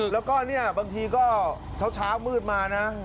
แล้วก็บางทีก็เช้ามืดมานะ